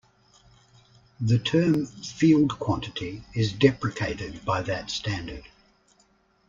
The term "field quantity" is deprecated by that standard.